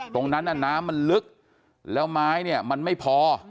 ตรงนั้นน้ำมันลึกแล้วไม้เนี่ยมันไม่พอ